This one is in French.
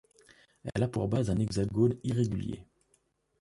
Elle a pour base un hexagone irrégulier.